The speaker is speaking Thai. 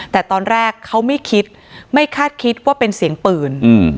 แต่ตอนแรกเขาไม่คิดไม่คาดคิดว่าเป็นเสียงปืน